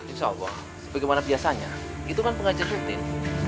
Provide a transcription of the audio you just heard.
insya allah sebagaimana biasanya itu kan pengajar rutin